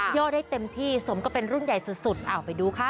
่อได้เต็มที่สมกับเป็นรุ่นใหญ่สุดเอาไปดูค่ะ